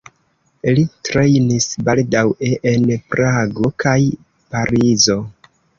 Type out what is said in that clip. Li trejnis baldaŭe en Prago kaj Parizo.